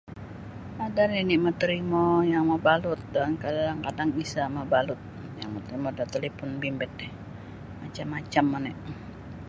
Ada nini matarimo yang mabalut dan kadang-kadang isa mabalut yang motorimo da talipon bimbit ti macam-macam oni.